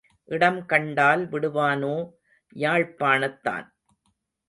இடம் கண்டால் விடுவானோ யாழ்ப்பாணத்தான்.